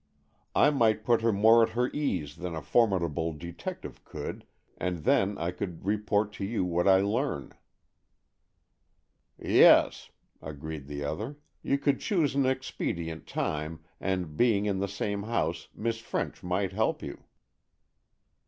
"I might put her more at her ease than a formidable detective could, and then I could report to you what I learn." "Yes," agreed the other; "you could choose an expedient time, and, being in the same house, Miss French might help you."